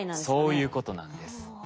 そういうことなんです。